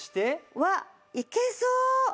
うわっいけそう！